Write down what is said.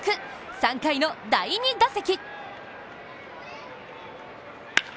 ３回の第２打席。